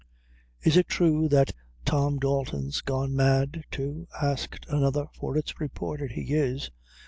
"Is it thrue that Tom Dalton's gone mad, too?" asked another; "for it's reported he is."